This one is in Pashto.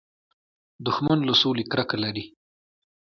دښمن له سولې کرکه لري